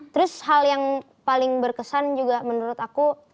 terus hal yang paling berkesan juga menurut aku